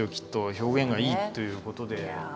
表現がいいということで。